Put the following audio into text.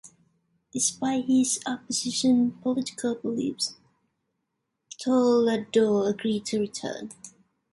Despite his opposing political beliefs, Toledo agreed to return.